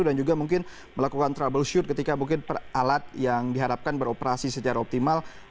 dan juga mungkin melakukan troubleshoot ketika mungkin per alat yang diharapkan beroperasi secara optimal